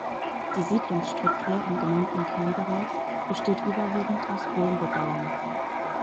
Die Siedlungsstruktur im genannten Kernbereich besteht überwiegend aus Wohnbebauung.